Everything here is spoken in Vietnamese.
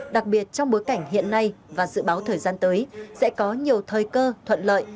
đặc biệt trong bối cảnh hiện nay và dự báo thời gian tới sẽ có nhiều thời cơ thuận lợi